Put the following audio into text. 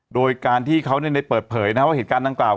โดยการที่เขาเนี่ยเปิดเผยนะว่าเหตุการณ์นั้นกล่าว